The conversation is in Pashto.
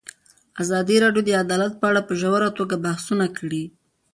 ازادي راډیو د عدالت په اړه په ژوره توګه بحثونه کړي.